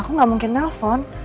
aku gak mungkin nelfon